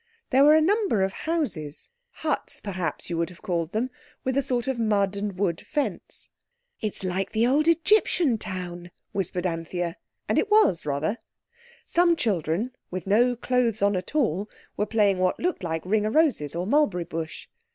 There were a number of houses—huts perhaps you would have called them—with a sort of mud and wood fence. "It's like the old Egyptian town," whispered Anthea. And it was, rather. Some children, with no clothes on at all, were playing what looked like Ring o' Roses or Mulberry Bush.